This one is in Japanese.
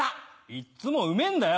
いっつもうめぇんだよ！